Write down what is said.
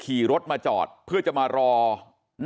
มันต้องการมาหาเรื่องมันจะมาแทงนะ